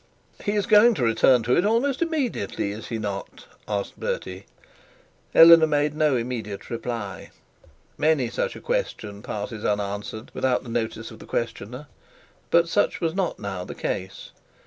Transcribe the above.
'He is going to return to it immediately, is he not?' asked Bertie. Eleanor made no immediate reply. Much such a question passed unanswered, without the notice of the questioner; but such was not now the case.